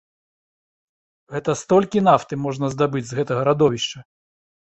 Гэта столькі нафты можна здабыць з гэтага радовішча.